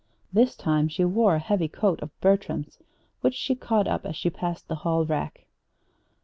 This time she wore a heavy coat of Bertram's which she caught up as she passed the hall rack.